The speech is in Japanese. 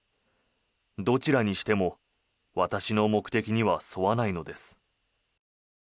どちらにしても私の目的には沿わないのです。